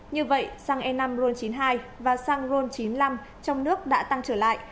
như vậy xăng e năm ron chín mươi hai và xăng ron chín mươi năm trong nước đã tăng trở lại